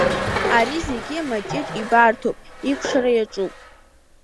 Ари зегьы Маҷыҷ ибарҭоуп, икәшара иаҿуп.